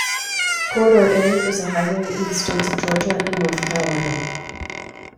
Corridor A is a highway in the states of Georgia and North Carolina.